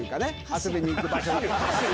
遊びに行く場所。